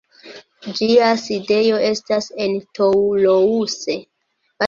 Ĝia sidejo estas en Toulouse.